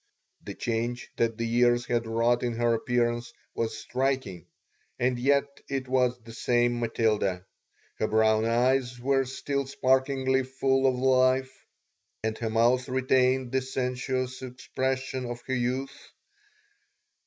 The change that the years had wrought in her appearance was striking, and yet it was the same Matilda. Her brown eyes were still sparkingly full of life and her mouth retained the sensuous expression of her youth.